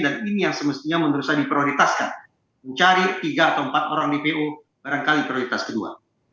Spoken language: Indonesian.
dan ini yang semestinya meneruskan diprioritaskan mencari tiga atau empat orang dpo barangkali prioritas kedua